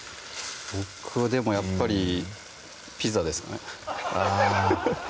僕はでもやっぱりピザですかねあぁ